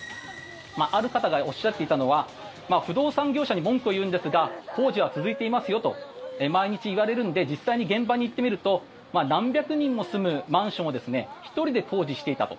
ある方がおっしゃっていたのは不動産業者に文句を言うんですが工事は続いていますよと毎日言われるので実際に現場に行ってみると何百人も住むマンションを１人で工事していたと。